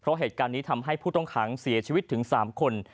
เพราะเหตุการณ์นี้ทำให้ผู้ต้องขังเสียชีวิตถึง๓คน